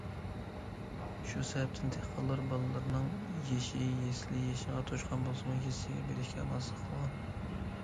شۇ سەۋەبتىن دېھقانلار بالىلىرىنىڭ يېشى يەسلى يېشىغا توشقان بولسىمۇ يەسلىگە بېرىشكە ئامالسىز قالغان.